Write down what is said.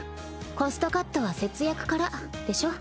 コストカットは節約からでしょ？